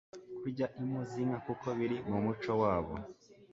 kurya impu z'inka kuko biri mu muco wabo,